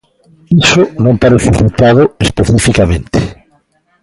Iso non aparece citado especificamente.